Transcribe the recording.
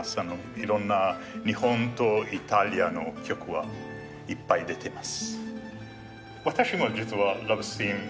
いろんな日本とイタリアの曲はいっぱい出てます。